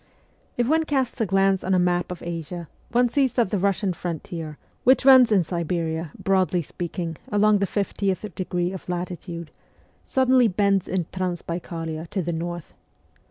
If one casts a glance on a map of Asia one sees that the Russian frontier, which runs in Siberia, broadly speaking, along the fiftieth degree of latitude, suddenly bends in Transbaikalia to the north.